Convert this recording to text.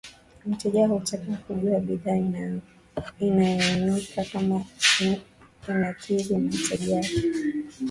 mteja hutaka kujua bidhaa anayoinunua kama inakidhi mahitaji yake